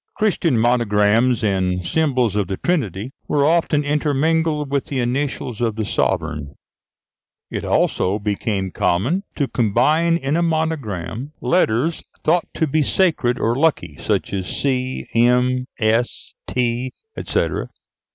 Christian monograms and symbols of the Trinity were often intermingled with the initials of the sovereign. It also became common to combine in a monogram letters thought to be sacred or lucky, such as C, M, S, T, &c.